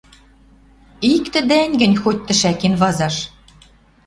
Иктӹ дӓнгӹнь хоть тӹшӓкен вазаш